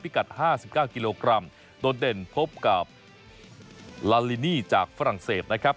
กัด๕๙กิโลกรัมโดดเด่นพบกับลาลินีจากฝรั่งเศสนะครับ